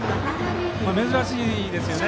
珍しいですよね